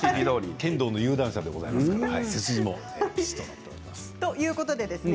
剣道の有段者でございますから背筋もぴしっとしております。